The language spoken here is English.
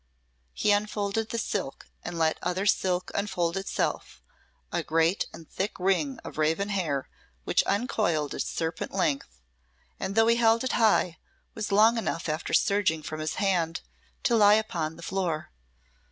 He unfolded the silk, and let other silk unfold itself, a great and thick ring of raven hair which uncoiled its serpent length, and though he held it high, was long enough after surging from his hand to lie upon the floor.